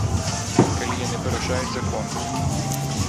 Калі яны парушаюць закон.